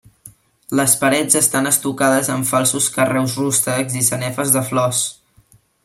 Les parets estan estucades amb falsos carreus rústecs i sanefes de flors.